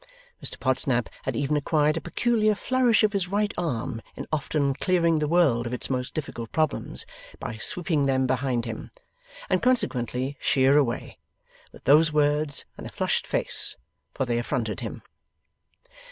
Mr Podsnap had even acquired a peculiar flourish of his right arm in often clearing the world of its most difficult problems, by sweeping them behind him (and consequently sheer away) with those words and a flushed face. For they affronted him.